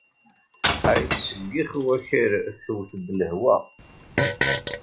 Ad yettseggix wakal tewwet-d lehwa.